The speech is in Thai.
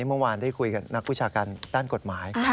เมื่อวานได้คุยกับนักวิชาการด้านกฎหมาย